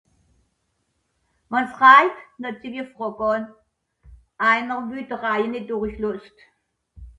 wàn's rajt zieh ich è frack an